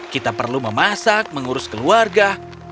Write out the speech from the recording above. kita perlu memasak mengurus keluarga